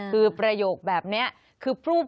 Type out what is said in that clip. คือประโยคแบบนี้คือพลูบ